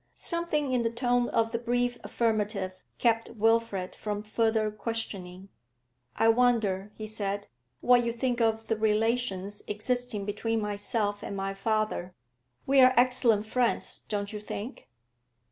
Something in the tone of the brief affirmative kept Wilfrid from further questioning. 'I wonder,' he said, 'what you think of the relations existing between myself and my father. We are excellent friends, don't you think?